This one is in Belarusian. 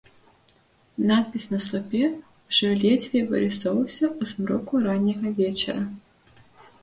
Надпіс на слупе ўжо ледзьве вырысоўваўся ў змроку ранняга вечара.